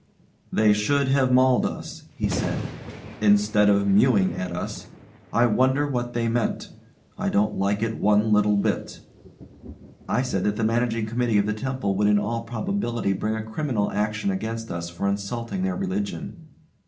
'They should have mauled us,' he said, 'instead of mewing at us. I wonder what they meant. I don't like it one little bit.' I said that the Managing Committee of the temple would in all probability bring a criminal action against us for insulting their religion.